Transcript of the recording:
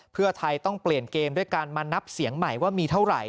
เพื่อไทยต้องเปลี่ยนเกมด้วยการมานับเสียงใหม่ว่ามีเท่าไหร่